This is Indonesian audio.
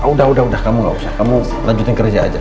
oh udah udah kamu gak usah kamu lanjutin kerja aja